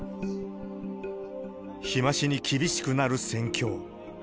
日増しに厳しくなる戦況。